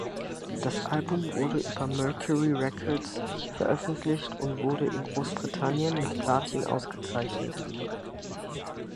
Das Album wurde über Mercury Records veröffentlicht und wurde in Großbritannien mit Platin ausgezeichnet.